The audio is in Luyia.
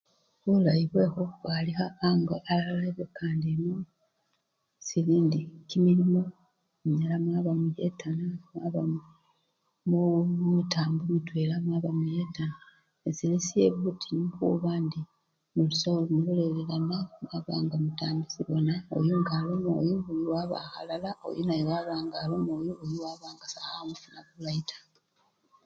Bulayi bwekhukhwalikha ango alala ebukanda eno, sili indi kimilimo munyala mwaba muyetana mwaba mu! mu! mitambo mwitwela mwaba muyetana nesili syebutinyu khuba ndi buse mulolelelana mwaba nga mutambisibwana, oyu ngaloma oyu oyu ngaloma oyu waba nga sekhamufuna bulayi taa.